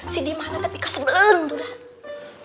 si diman tapi kasebeleng tuh den